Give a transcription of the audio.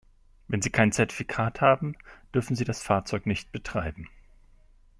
Wenn Sie kein Zertifikat haben, dürfen sie das Fahrzeug nicht betreiben.